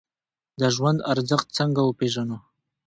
د ژوند ارزښت څنګه وپیژنو؟